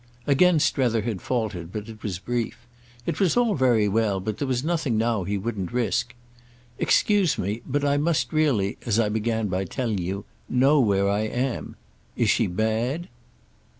Again Strether had faltered, but it was brief. It was all very well, but there was nothing now he wouldn't risk. "Excuse me, but I must really—as I began by telling you—know where I am. Is she bad?"